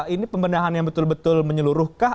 ini pembenahan yang betul betul menyeluruhkah